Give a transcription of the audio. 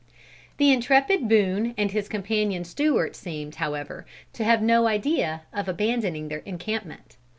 The intrepid Boone and his companion Stewart seemed, however, to have no idea of abandoning their encampment.